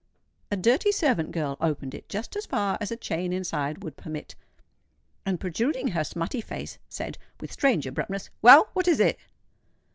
A dirty servant girl opened it just as far as a chain inside would permit; and protruding her smutty face, said, with strange abruptness, "Well, what is it?"